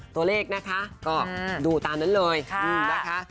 ตัวเลขนะคะก็ดูตามนั้นเลยนะคะ